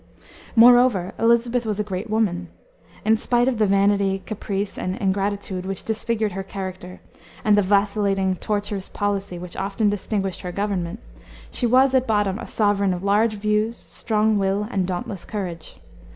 Moreover Elisabeth was a great woman. In spite of the vanity, caprice, and ingratitude which disfigured her character, and the vacillating, tortuous policy which often distinguished her government, she was at bottom a sovereign of large views, strong will, and dauntless courage.